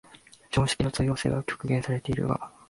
常識の通用性は局限されているが、